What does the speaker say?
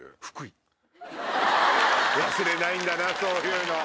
忘れないんだなそういうの。